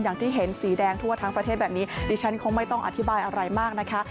อย่างที่เห็นสีแดงทั่วทั้งประเทศแบบนี้ดิฉันคงไม่ต้องอธิบายอะไรมากนะคะ